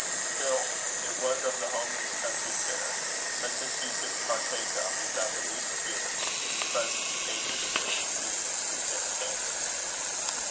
Still it was of the homeliest country fare, such as Hugh could partake of without the least fear that his presence occasioned any inconvenience to his entertainers.